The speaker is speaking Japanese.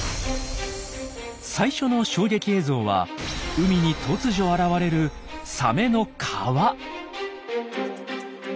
最初の衝撃映像は海に突如現れるサメの川！